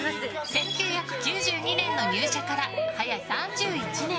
１９９２年の入社から早３１年。